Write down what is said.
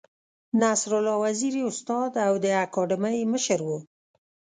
نصرالله وزیر یې استاد او د اکاډمۍ مشر و.